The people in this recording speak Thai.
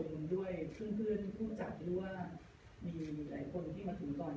ด้วยเพื่อนเพื่อนผู้จัดด้วยว่ามีหลายคนที่มาถึงก่อน